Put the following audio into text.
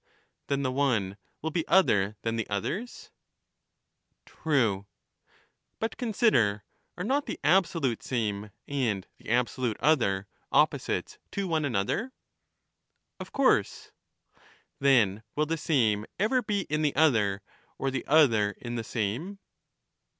Then the one will be other than the others ? True. But, consider :— Are not the absolute same, and the abso lute other, opposites to one another ? Of course. Then will the same ever be in the other, or the other in the same